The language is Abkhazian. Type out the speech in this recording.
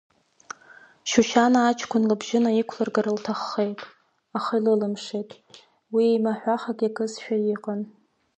Шьушьана аҷкәын лыбжьы наиқәлыргар лҭаххеит, аха илылмшеит, уи еимаҳәах акы иакызшәа иҟан.